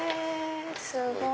すごい。